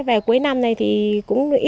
về cuối năm này thì cũng nguy hiểm